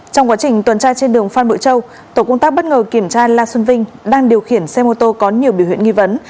trong quá trình tuần tra trên đường phan bội châu tổ công tác bất ngờ kiểm tra la xuân vinh đang điều khiển xe mô tô có nhiều biểu hiện nghi vấn